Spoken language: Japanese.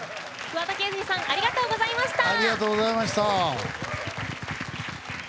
桑田佳祐さんありがとうございました。